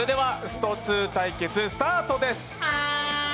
「ストⅡ」対決スタートです。